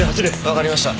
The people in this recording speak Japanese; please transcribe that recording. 分かりました。